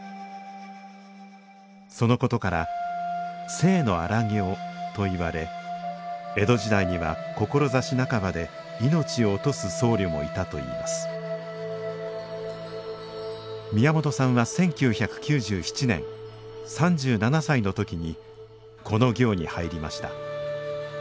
そのことから「静の荒行」といわれ江戸時代には志半ばで命を落とす僧侶もいたといいます宮本さんは１９９７年３７歳の時にこの行に入りました。